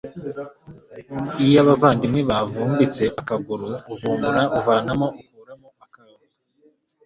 iyo abavandimwe bavumbitse akaguru, uvumbura (uvanamo/ukuramo) akawe